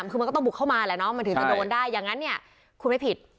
คือมันก็ต้องบุกเข้ามาแหละเนาะมันถึงจะโดนได้อย่างนั้นเนี่ยคุณไม่ผิด